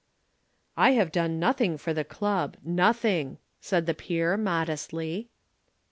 "I have done nothing for the club nothing," said the peer modestly.